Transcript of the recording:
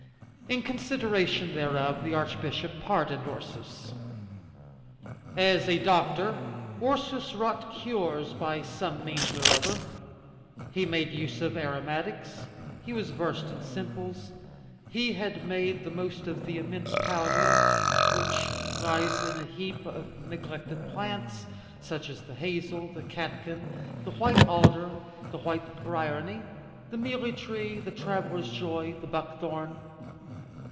In consideration thereof the archbishop pardoned Ursus. As a doctor, Ursus wrought cures by some means or other. He made use of aromatics; he was versed in simples; he made the most of the immense power which lies in a heap of neglected plants, such as the hazel, the catkin, the white alder, the white bryony, the mealy tree, the traveller's joy, the buckthorn.